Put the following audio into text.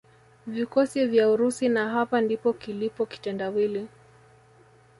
vikosi vya Urusi na hapa ndipo kilipo kitendawili